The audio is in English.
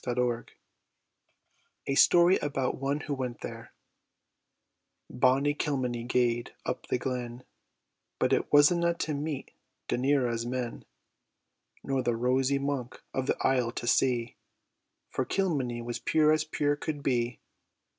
_) KILMENY (A Story about one who went there) Bonny Kilmeny gaed up the glen; But it wasna to meet Duneira's men, Nor the rosy monk of the isle to see, For Kilmeny was pure as pure could be.